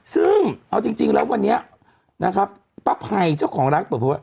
ซึ่งเอาจริงแล้ววันนี้นะครับป้าไพ่เจ้าของรักบอกว่า